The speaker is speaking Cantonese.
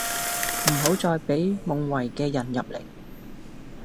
唔好再畀夢遺嘅人入嚟